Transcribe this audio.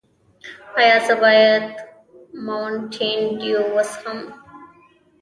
ایا زه باید ماونټین ډیو وڅښم؟